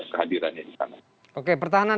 kehadirannya di sana oke pertahanan